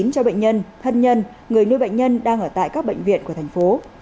cho bệnh nhân thân nhân người nuôi bệnh nhân đang ở tại các bệnh viện của thành phố